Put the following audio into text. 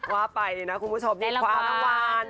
ว่าไปนะคุณผู้ชมมีความรักวาล